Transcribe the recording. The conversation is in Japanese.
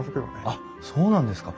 あっそうなんですか。